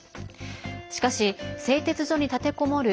しかし、製鉄所に立てこもる